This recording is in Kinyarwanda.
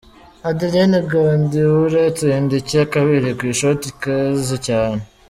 Adlene Guedioura atsinda icya kabiri ku ishoti ikaze cyane.